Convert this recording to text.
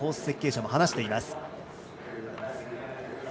設計者も話しています。